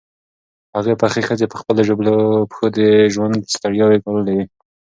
هغې پخې ښځې په خپلو ژوبلو پښو د ژوند ستړیاوې ګاللې وې.